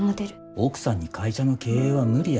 奥さんに会社の経営は無理や。